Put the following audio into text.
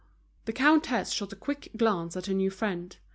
The countess shot a quick glance at her new friend.